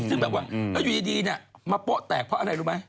ซึ่งแบบว่าแล้วอยู่ดีเนี่ยมาโป๊ะแตกเพราะอะไรรู้ไหม